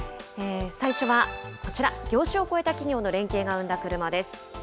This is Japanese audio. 最初はこちら、業種を超えた企業の連携が生んだ車です。